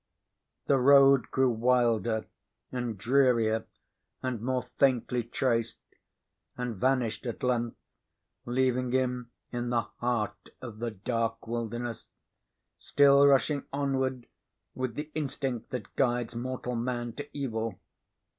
The road grew wilder and drearier and more faintly traced, and vanished at length, leaving him in the heart of the dark wilderness, still rushing onward with the instinct that guides mortal man to evil.